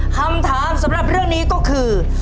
คำถามสำหรับเรื่องนี้ก็คือ